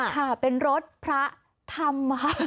ค่ะเป็นรถพระธรรม